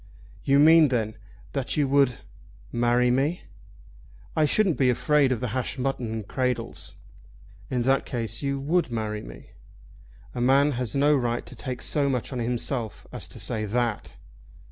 "You mean then that you would marry me?" "I shouldn't be afraid of the hashed mutton and cradles." "In that case you would marry me?" "A man has no right to take so much on himself as to say that."